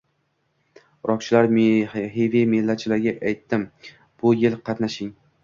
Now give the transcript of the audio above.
rokchilar, hevi metallchilarga aytdim, bu yil qatnashing